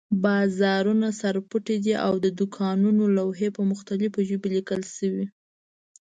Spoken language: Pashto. بازارونه سر پټ دي او د دوکانونو لوحې په مختلفو ژبو لیکل شوي.